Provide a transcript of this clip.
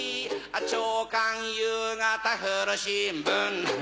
朝刊夕方古新聞